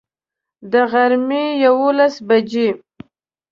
د غرمي یوولس بجي